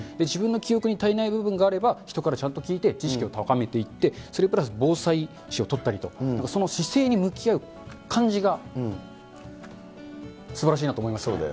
自分の記憶に足りない部分があれば、人からちゃんと聞いて知識を高めていって、それプラス防災士を取ったりと、その姿勢に向き合う感じがすばらしいなと思いました。